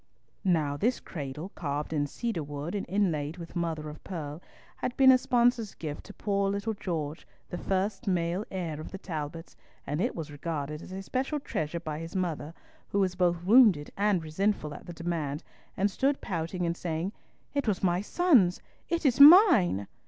Now this cradle, carved in cedar wood and inlaid with mother of pearl, had been a sponsor's gift to poor little George, the first male heir of the Talbots, and it was regarded as a special treasure by his mother, who was both wounded and resentful at the demand, and stood pouting and saying, "It was my son's. It is mine."